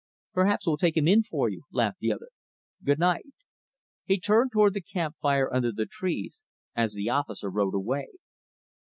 "Perhaps we'll take him in for you," laughed the other. "Good night." He turned toward the camp fire under the trees, as the officer rode away.